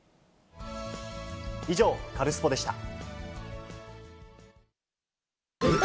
以上、カルスポっ！でした。